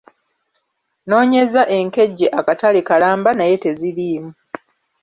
Nnoonyeza enkejje akatale kalamba naye teziriimu.